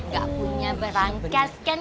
gak punya berangkas kan